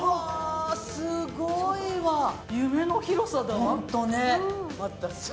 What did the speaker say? すごいわ、夢の広さだわ。